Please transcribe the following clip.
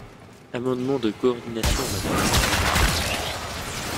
Amendement de coordination, madame la présidente.